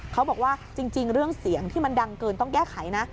เขาบอกว่าจริงเรื่องเสียงที่มันดังเกินต้องแก้ไขนะ